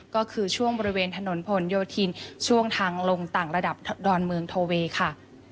ก็คือช่วงบริเวณถนนผลโยธินช่วงทางลงต่างระดับดอนเมืองโทเวค่ะ